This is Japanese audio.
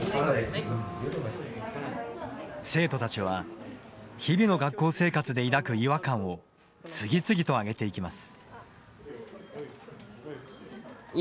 生徒たちは日々の学校生活でいだく違和感を次々と挙げていきます。